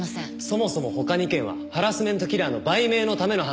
そもそも他２件はハラスメントキラーの売名のための犯行です。